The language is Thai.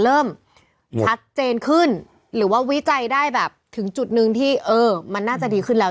เริ่มชัดเจนขึ้นหรือว่าวิจัยได้แบบถึงจุดนึงที่เออมันน่าจะดีขึ้นแล้ว